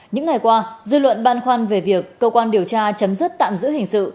những ngày qua dư luận ban khoan về việc cơ quan điều tra chấm dứt tạm giữ hình sự